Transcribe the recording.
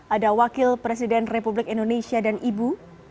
ada wakil presiden republik indonesia dan ibu